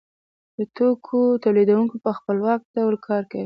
د توکو تولیدونکی په خپلواک ډول کار کوي